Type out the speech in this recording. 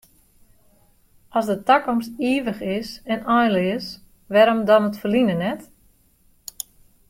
As de takomst ivich is en einleas, wêrom dan it ferline net?